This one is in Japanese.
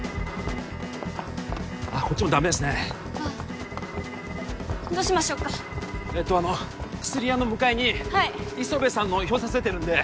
あっこっちもダメですねああどうしましょっかえっとあの薬屋の向かいにはい磯辺さんの表札出てるんではい